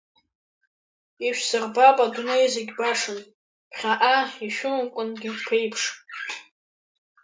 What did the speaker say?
Ишәсырбап адунеи зегь башан, ԥхьаҟа ишәымамкәангьы ԥеиԥш.